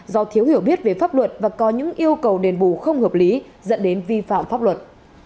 do thiếu hiểu biết về pháp luật và có những yêu cầu đền bù không hợp lý dẫn đến vi phạm pháp luật